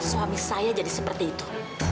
suami saya jadi seperti itu